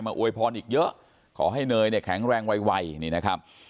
อวยพรอีกเยอะขอให้เนยเนี่ยแข็งแรงไวนี่นะครับ